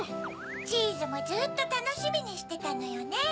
チーズもずっとたのしみにしてたのよね。